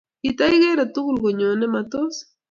Kitagigere tugul konyone, matos?